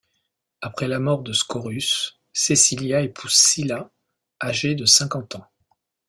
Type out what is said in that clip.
Après la mort de Scaurus, Caecilia épouse Sylla, âgé de cinquante ans.